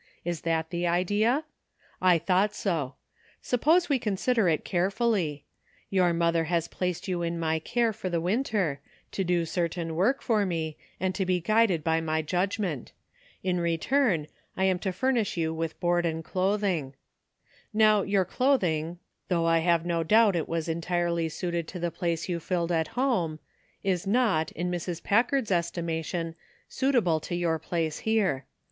Is that the idea ? I thought so. Suppose we consider it carefully. Your mother has placed you in my care for the winter, to do certain work for me, and to be guided by my judgment. In return I am to furnish you with board and clothing. Now your clothing, though I have no doubt it was entirely suited to the j)lace you filled a home, is not, in Mrs. Packard's estimation, suitable for your place here.